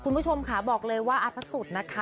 คุณผู้ชมค่ะบอกเลยว่าอาทะสุดนะคะ